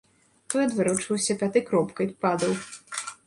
Той адварочваўся пятай кропкай, падаў.